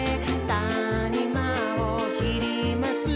「たにまをきります」